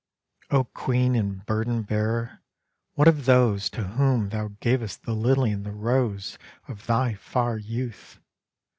_ _O Queen and Burden bearer, what of those To whom thou gavest the lily and the rose Of thy far youth?...